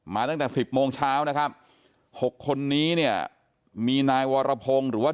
ตั้งแต่๑๐โมงเช้านะครับ๖คนนี้เนี่ยมีนายวรพงศ์หรือว่า